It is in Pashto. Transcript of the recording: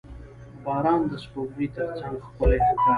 • باران د سپوږمۍ تر څنګ ښکلی ښکاري.